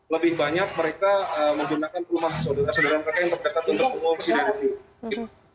lebih banyak mereka menggunakan rumah saudaranya sendiri yang terdekat untuk mengungsi dari situ